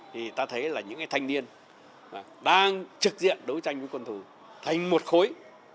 thì ta thấy là những cái thanh niên đang trực diện đấu tranh với quân thù thành một khối